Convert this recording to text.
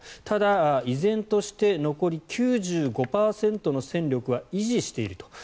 ただ、依然として残り９５％の戦力は維持していると。